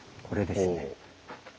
これですね。